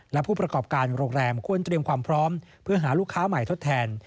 และผู้ประกอบการโรงแรมควรเตรียมความพร้อมเพื่อหาลูกค้าใหม่ทดแทน